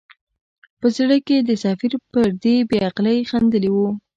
په زړه کې یې د سفیر پر دې بې عقلۍ خندلي وه.